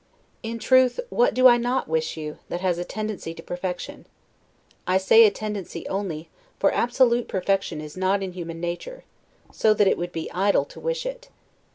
In truth, what do I not wish you, that has a tendency to perfection? I say a tendency only, for absolute perfection is not in human nature, so that it would be idle to wish it.